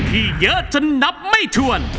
ที่เยอะจนนับไม่ถวน